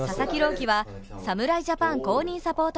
希は侍ジャパン公認サポート